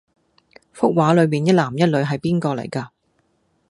幅畫裡面一男一女係邊個嚟架？